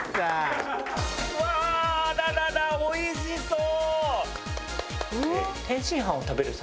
わああらららおいしそう！